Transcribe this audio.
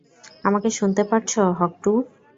আমাকে শুনতে পারছ, হক-টু।